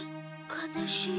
悲しい。